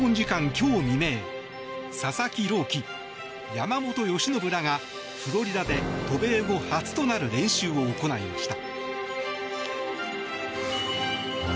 今日未明佐々木朗希、山本由伸らがフロリダで渡米後初となる練習を行いました。